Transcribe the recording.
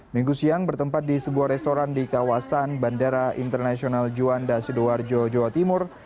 minggu siang bertempat di sebuah restoran di kawasan bandara internasional juanda sidoarjo jawa timur